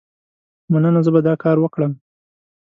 مننه، زه به دا کار وکړم.